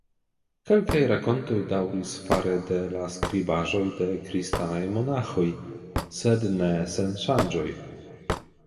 Kelkaj rakontoj daŭris fare de la skribaĵoj de Kristanaj monaĥoj, sed ne sen ŝanĝoj.